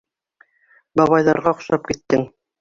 Бабайҙарға оҡшап киттең.